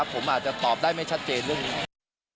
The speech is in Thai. ผมอาจจะตอบได้ไม่ชัดเจนเรื่องนี้